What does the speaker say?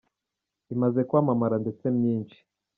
imaze kwamamara Ndetse myinshi.